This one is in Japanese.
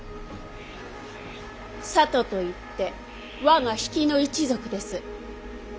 里といって我が比企の一族です。